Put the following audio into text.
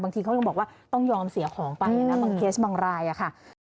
เขายังบอกว่าต้องยอมเสียของไปนะบางเคสบางรายอะค่ะ